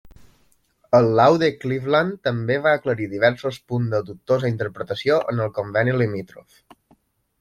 El Laude Cleveland també va aclarir diversos punts de dubtosa interpretació en el conveni limítrof.